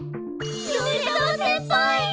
米沢先輩！